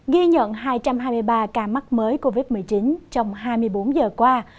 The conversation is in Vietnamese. ghi nhận hai trăm hai mươi ba ca mắc mới covid một mươi chín trong hai mươi bốn giờ qua